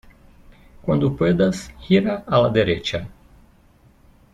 Cuando puedas, gira a la derecha.